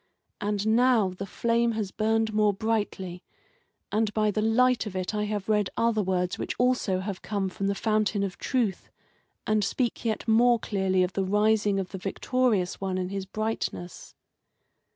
And now the flame has burned more brightly, and by the light of it I have read other words which also have come from the fountain of Truth, and speak yet more clearly of the rising of the Victorious One in his brightness."